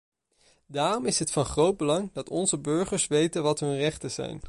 Daarom is het van groot belang dat onze burgers weten wat hun rechten zijn.